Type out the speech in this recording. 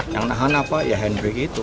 yang nahan apa ya handbrake itu